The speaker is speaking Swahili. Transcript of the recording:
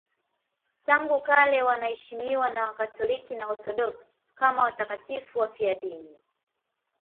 Tangu kale wanaheshimiwa na Wakatoliki na Waorthodoksi kama watakatifu wafiadini.